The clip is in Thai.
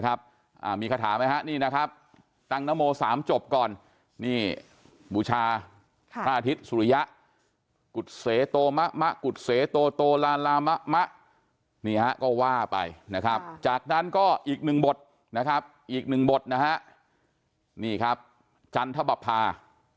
ครับอีกหนึ่งบอทนะฮะนี่ครับจันทร์ภาพภาพ